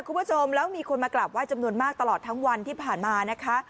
คุณผู้ชมแล้วมีคนมากราบไห้จำนวนมากตลอดทั้งวันที่ผ่านมานะคะ